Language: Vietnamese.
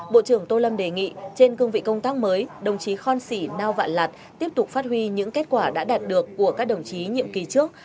bộ trưởng tô lâm đề nghị trên cương vị công tác mới đồng chí khon sĩ nao vạn lạt tiếp tục phát huy những kết quả đã đạt được của các đồng chí nhiệm kỳ trước